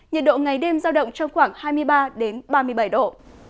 nhiệt độ ngày đêm giao động trong khoảng hai mươi ba ba mươi bảy độ